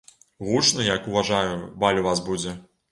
Гучны, як уважаю, баль у вас будзе.